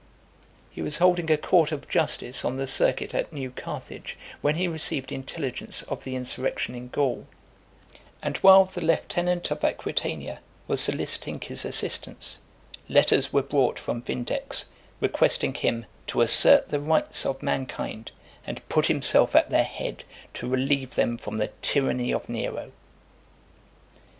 He was holding a court of justice on the circuit at New Carthage , when he received intelligence of the insurrection in Gaul ; and while the lieutenant of Aquitania was soliciting his assistance, letters were brought from Vindex, requesting him "to assert the rights of mankind, and put himself at their head to relieve them from the tyranny of Nero."